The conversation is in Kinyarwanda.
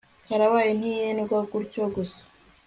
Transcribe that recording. karabaye ntiyendwa gutyo gusa